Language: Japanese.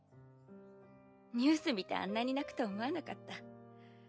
ニュース見てあんなに泣くと思わなかった。